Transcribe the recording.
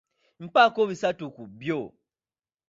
Mpaako bisatu ku byo.